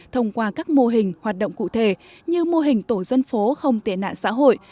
thông qua các mô hình hoạt động cụ thể như mô hình tổ dân phố không tiện nạn xã hội